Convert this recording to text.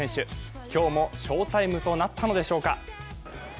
今日も翔タイムとなったのでしょうか。